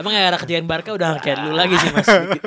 emang era kejadian barka udah kayak lo lagi sih mas